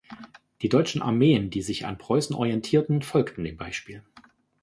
Die deutschen Armeen, die sich an Preußen orientierten, folgten dem Beispiel.